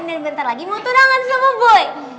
dan bentar lagi mau tunangan sama boy